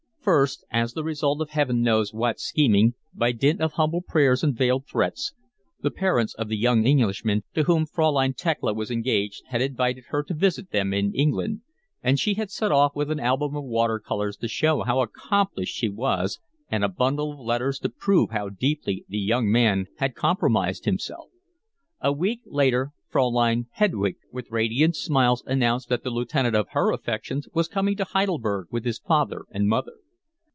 First, as the result of heaven knows what scheming, by dint of humble prayers and veiled threats, the parents of the young Englishman to whom Fraulein Thekla was engaged had invited her to visit them in England, and she had set off with an album of water colours to show how accomplished she was and a bundle of letters to prove how deeply the young man had compromised himself. A week later Fraulein Hedwig with radiant smiles announced that the lieutenant of her affections was coming to Heidelberg with his father and mother.